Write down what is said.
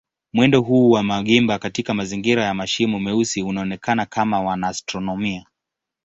Mwendo huu wa magimba katika mazingira ya mashimo meusi unaonekana kwa wanaastronomia.